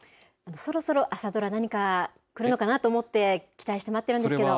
そろそろ朝ドラ、何か来るのかなと思って、期待して待ってるんですけど。